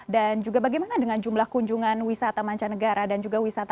dan juga bagaimana dengan jumlah kunjungan wisata mancanegara dan juga wisata negara